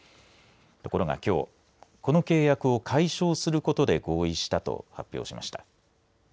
ところが、きょうこの契約を解消することで合意したと発表しました。